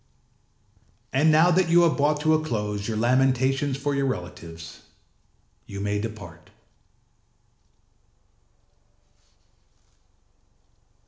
âAnd now that you have brought to a close your lamentations for your relatives, you may depart.